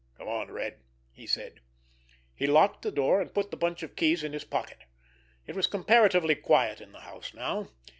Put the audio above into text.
"Come on, Red!" he said. He locked the door, and put the bunch of keys in his pocket. It was comparatively quiet in the house now.